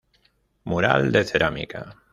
Mural de Cerámica.